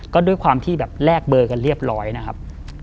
ก็ด้วยความที่แบบแลกเบอร์กันเรียบร้อยนะครับ